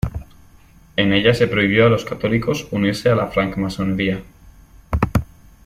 En ella se prohibió a los católicos unirse a la Francmasonería.